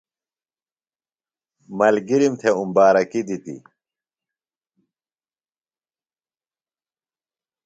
ملگِرِم تھے امبارکی دِتی۔